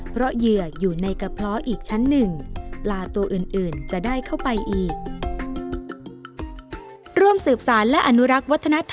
เพราะเหยื่ออยู่ในกระเพาะอีกชั้นหนึ่งปลาตัวอื่นจะได้เข้าไปอีก